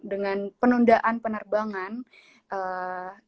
itu juga salah satu untuk pemutusan rantai